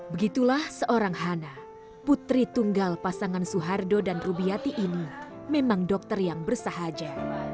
begitulah seorang hana putri tunggal pasangan suhardo dan rubiati ini memang dokter yang bersahaja